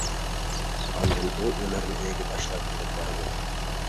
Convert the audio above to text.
ئاندىن ئۇ ئۆمەرنى ئۆيىگە باشلاپ ئېلىپ بارىدۇ.